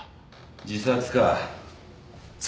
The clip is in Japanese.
自殺か。